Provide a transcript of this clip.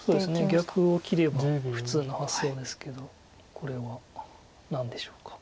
逆を切れば普通の発想ですけどこれは何でしょうか。